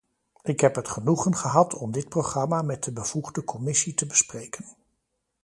Ik heb het genoegen gehad om dit programma met de bevoegde commissie te bespreken.